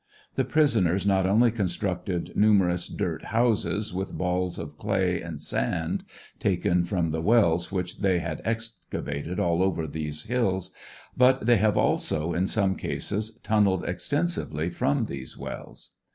The prisoners not only constructed numerous dirt houses with balls of clay and sand, taken from the wells which they had excavated all over these hills, but they have also, in some cases, tun neled extensively from these wells.